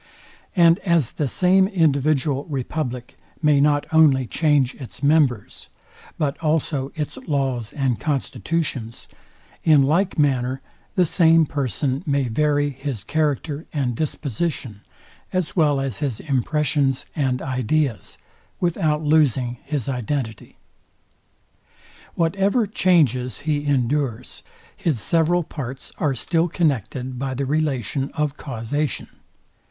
And as the same individual republic may not only change its members, but also its laws and constitutions; in like manner the same person may vary his character and disposition, as well as his impressions and ideas, without losing his identity. Whatever changes he endures, his several parts are still connected by the relation of causation.